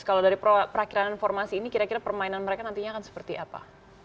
kalau dari perakhiran informasi ini kira kira permainan mereka nantinya akan seperti apa